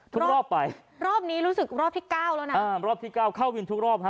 รอบไปรอบนี้รู้สึกรอบที่เก้าแล้วนะอ่ารอบที่เก้าเข้าวินทุกรอบฮะ